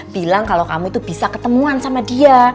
bilang kalau kamu itu bisa ketemuan sama dia